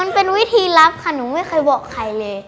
แล้วมันคลายขึ้นไหมคะ